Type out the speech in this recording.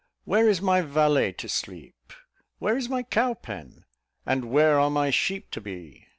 where is my valet to sleep? where is my cow pen? and where are my sheep to be?"